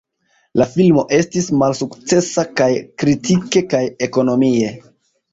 La filmo estis malsukcesa kaj kritike kaj ekonomie.